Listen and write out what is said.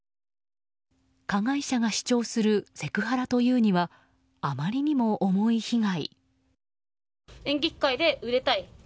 加害者が主張するセクハラというにはあまりにも重い被害。